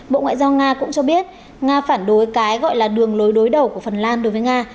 bộ ngoại giao nga cũng cho biết nga phản đối cái gọi là đường lối đối đầu của phần lan đối với nga